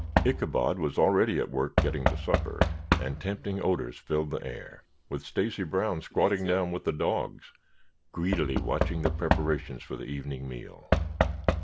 Ichabod was already at work getting the supper, and tempting odors filled the air, with Stacy Brown squatting down with the dogs, greedily watching the preparations for the evening meal.